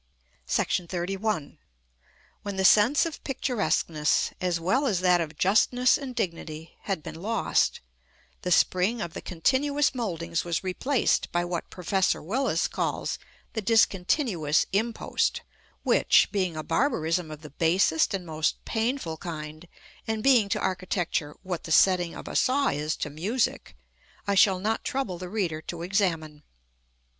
§ XXXI. When the sense of picturesqueness, as well as that of justness and dignity, had been lost, the spring of the continuous mouldings was replaced by what Professor Willis calls the Discontinuous impost; which, being a barbarism of the basest and most painful kind, and being to architecture what the setting of a saw is to music, I shall not trouble the reader to examine.